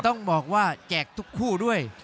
ต้องบอกว่าแจกทุกคู่ด้วย